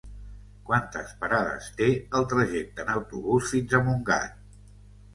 Quantes parades té el trajecte en autobús fins a Montgat?